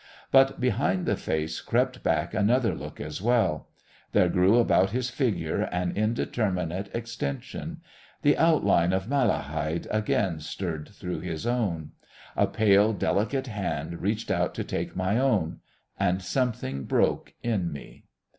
But behind the face crept back another look as well. There grew about his figure an indeterminate extension. The outline of Malahide again stirred through his own. A pale, delicate hand reached out to take my own. And something broke in me.